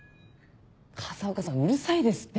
風岡さんうるさいですって。